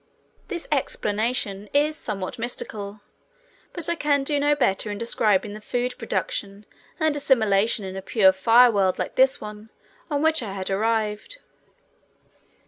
This explanation is somewhat mystical, but I can do no better in describing the food production and assimilation in a pure fire world like this one on which I had arrived.